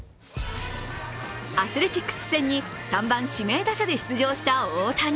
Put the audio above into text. アスレチックス戦に３番・指名打者で出場した大谷。